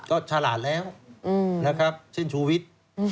ก็ฉลาดแล้วนะครับเช่นชูวิทย์